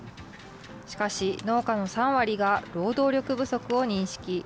しかし、農家の３割が労働力不足を認識。